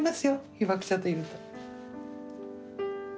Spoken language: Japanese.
被爆者といると。